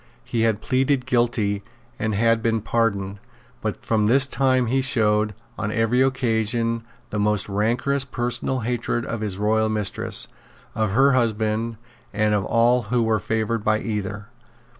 He had pleaded guilty, and had been pardoned; but from this time he showed, on every occasion, the most rancorous personal hatred of his royal mistress, of her husband, and of all who were favoured by either.